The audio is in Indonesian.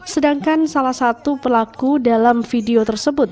sedangkan salah satu pelaku dalam video tersebut